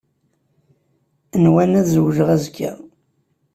Nwan ad zewǧen azekka.